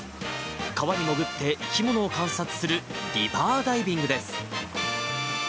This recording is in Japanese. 川に潜って生き物を観察する、リバーダイビングです。